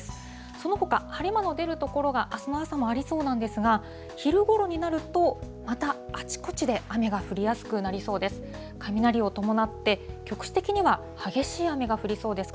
そのほか、晴れ間の出る所が、あすの朝もありそうなんですが、昼ごろになると、またあちこちで雨が降りやすくなりそうです。